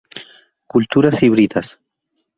Culturas híbridas.